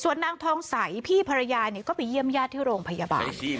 นางทองใสพี่ภรรยาก็ไปเยี่ยมญาติที่โรงพยาบาล